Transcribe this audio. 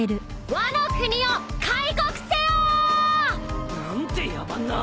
ワノ国を開国せよー！なんて野蛮な。